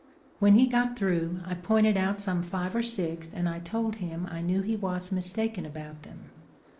When he got through, I pointed out some five or six, and I told him I knew he was mistaken about them.